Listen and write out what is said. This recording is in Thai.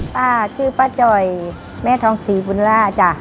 ป้าชื่อป้าจ่อยแม่ทองศรีบุญล่าจ้ะ